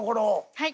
はい。